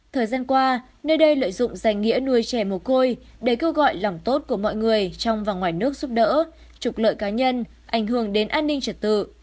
thời gian qua nơi đây lợi dụng danh nghĩa nuôi trẻ mồ côi để kêu gọi lòng tốt của mọi người trong và ngoài nước giúp đỡ trục lợi cá nhân ảnh hưởng đến an ninh trật tự